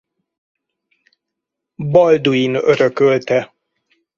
Balduin örökölte.